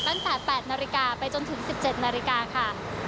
ตั้งแต่๘นาฬิกาไปจนถึง๑๗นาฬิกาค่ะ